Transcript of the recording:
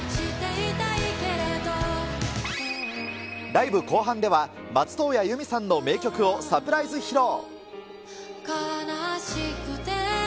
ライブ後半では、松任谷由実さんの名曲をサプライズ披露。